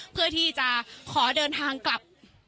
เพื่อที่จะขอเดินทางกลับ